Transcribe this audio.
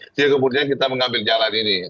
sehingga kemudian kita mengambil jalan ini